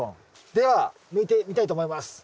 では抜いてみたいと思います。